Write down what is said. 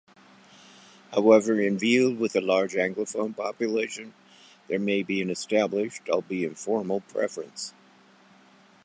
However, in "villes" with a large anglophone population, there may be an established-albeit informal-preference.